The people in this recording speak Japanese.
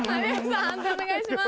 判定お願いします。